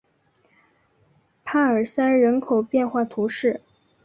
帕尔塞人口变化图示